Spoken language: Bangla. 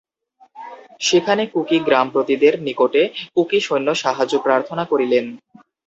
সেখানে কুকি-গ্রামপতিদের নিকটে কুকি-সৈন্য সাহায্য প্রার্থনা করিলেন।